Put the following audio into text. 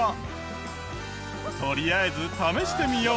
とりあえず試してみよう。